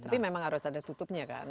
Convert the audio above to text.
tapi memang harus ada tutupnya kan